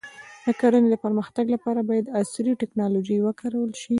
د کرنې د پرمختګ لپاره باید عصري ټکنالوژي وکارول شي.